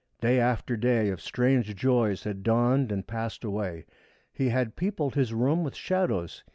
Day after day of strange joys had dawned and passed away. He had peopled his room with shadows.